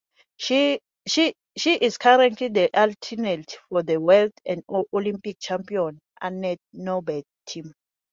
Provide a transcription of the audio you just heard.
She is currently the alternate for the World and Olympic Champion Anette Norberg team.